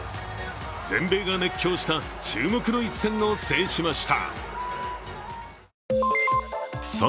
全米が熱狂した注目の１戦を制しました。